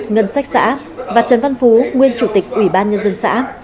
ngân sách xã và trần văn phú nguyên chủ tịch ủy ban nhân dân xã